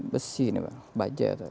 besi ini bang bajaj